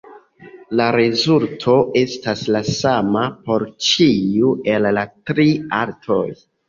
La rezulto estas la sama por ĉiu el la tri altoj.